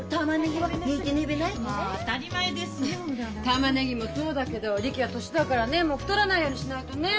タマネギもそうだけどリキは年だからね太らないようにしないとね。